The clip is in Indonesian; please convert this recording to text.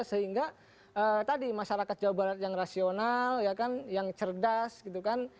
sehingga tadi masyarakat jawa barat yang rasional ya kan yang cerdas gitu kan